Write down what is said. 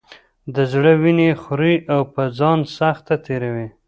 د زړه وینې خوري او په ځان سخته تېروي.